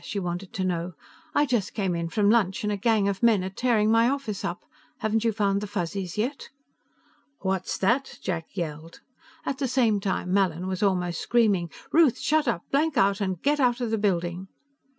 she wanted to know. "I just came in from lunch, and a gang of men are tearing my office up. Haven't you found the Fuzzies yet?" "What's that?" Jack yelled. At the same time, Mallin was almost screaming: "Ruth! Shut up! Blank out and get out of the building!"